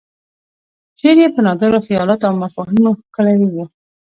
شعر یې په نادرو خیالاتو او مفاهیمو ښکلی و.